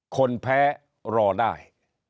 คนแพ้รอได้